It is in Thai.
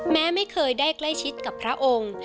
แม้ไม่เคยได้ใกล้ชิดกับพระองค์